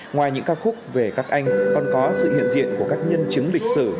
ngoài những ca khúc về các anh còn có sự hiện diện của các nhân chứng lịch sử